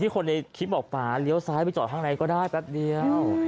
คนในคลิปบอกป่าเลี้ยวซ้ายไปจอดข้างในก็ได้แป๊บเดียว